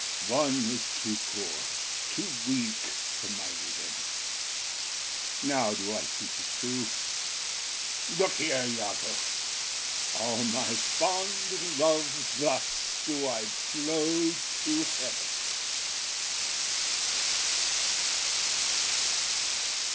One is too poor, too weak for my revenge! Now do I see ’tis true. Look here, Iago; All my fond love thus do I blow to heaven.